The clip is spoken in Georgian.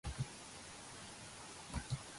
ამ სერიალში მან მიიღო მეორე მთავარი როლი.